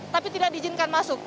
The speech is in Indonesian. tapi tidak diizinkan masuk